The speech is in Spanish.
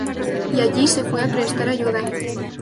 Y allí se fue a prestar ayuda.